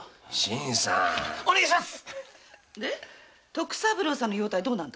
徳三郎さんの容体どうなんだい？